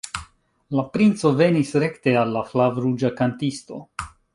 La princo venis rekte al la flavruĝa kantisto.